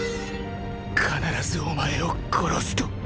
必ずお前を殺すと。